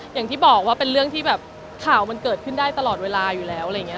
อย่างที่บอกว่าเป็นเรื่องที่แบบข่าวมันเกิดขึ้นได้ตลอดเวลาอยู่แล้วอะไรอย่างนี้